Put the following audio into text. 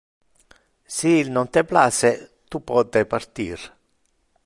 Si il non te place, tu pote partir.